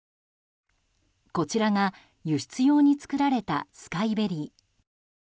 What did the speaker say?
こちらが、輸出用に作られたスカイベリー。